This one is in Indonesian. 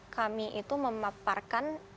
kami itu memaparkan